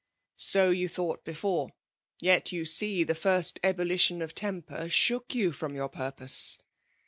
'' So you thought before; yet yoa see the first ebullition of temper shook you from y<Hir purpose.